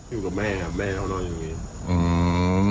อยู่กับแม่ครับแม่เขานอนอยู่อย่างนี้